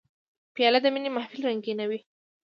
پیاله د مینې محفل رنګینوي.